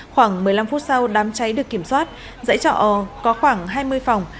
khoảng một mươi năm phút sau đám cháy được kiểm soát dãy trọ có khoảng hai mươi phòng